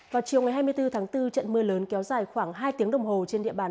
vào chiều ngày hai mươi bốn tháng bốn trận mưa lớn kéo dài khoảng hai tiếng đồng hồ trên địa bàn